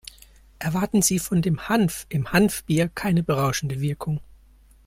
Erwarten Sie von dem Hanf im Hanfbier keine berauschende Wirkung.